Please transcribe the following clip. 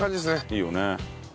いいよね。